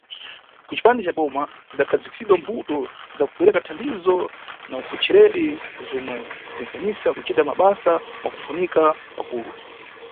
Kucipande ca boma, zidakhazikisidwa mbuto za kupereka thandizo na ukhochereri, zomwe zinʼkwanisa kucita basa mwakufunika pakufu.